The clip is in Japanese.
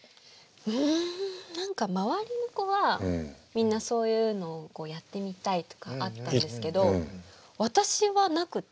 うん何か周りの子はみんなそういうのをやってみたいとかあったんですけど私はなくて。